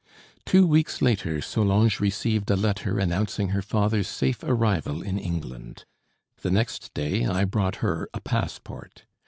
Two weeks later Solange received a letter announcing her father's safe arrival in England. The next day I brought her a passport.